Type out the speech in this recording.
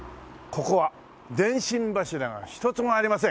ここは電信柱が一つもありません。